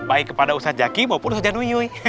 baik kepada ustadz jaki maupun ustadz nuyuy